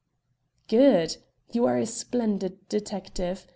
'" "Good. You are a splendid detective.